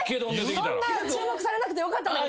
そんな注目されなくてよかったんだけど。